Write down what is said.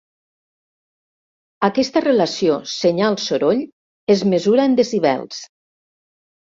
Aquesta relació senyal-soroll es mesura en decibels.